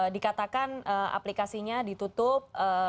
dikatakan aplikasinya ditutup